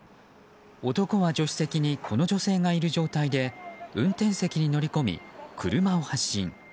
男は、助手席にこの女性がいる状態で運転席に乗り込み車を発進。